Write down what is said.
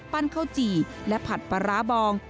ข้าวจี่และผัดปลาร้าบอง